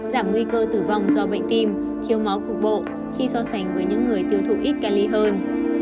giảm nguy cơ tử vong do bệnh tim thiếu máu cục bộ khi so sánh với những người tiêu thụ ít cali hơn